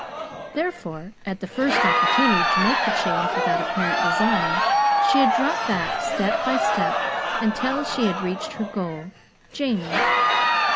Therefore, at the first opportunity to make the change without apparent design, she had dropped back step by step until she had reached her goal, Jamie.